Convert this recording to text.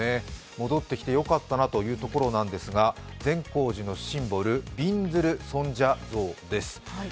戻ってきてよかったなというところなんですが、善光寺のシンボル、びんずる尊者像です。